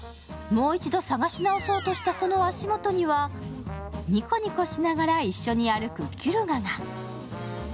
もう一度探し直そうとしたその足元にはニコニコしながら一緒に歩くキュルガが。